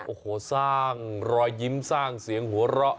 โอ้โหสร้างรอยยิ้มสร้างเสียงหัวเราะ